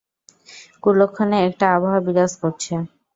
কুলক্ষণে একটা আবহাওয়া বিরাজ করছে।